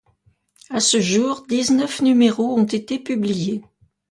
À ce jour, dix-neuf numéros ont été publiés.